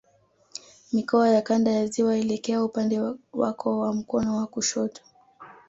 Mikoa ya Kanda ya Ziwa elekea upande wako wa mkono wa kushoto